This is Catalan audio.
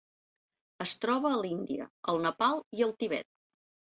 Es troba a l'Índia, el Nepal i el Tibet.